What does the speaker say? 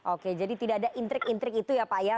oke jadi tidak ada intrik intrik itu ya pak ya